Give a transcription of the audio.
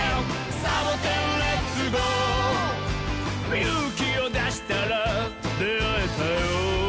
「ゆうきをだしたらであえたよ」